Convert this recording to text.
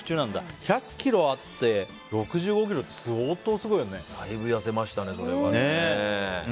１００ｋｇあって６５ｋｇってだいぶ痩せましたね。